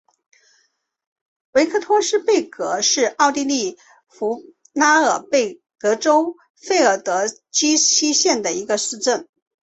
维克托斯贝格是奥地利福拉尔贝格州费尔德基希县的一个市镇。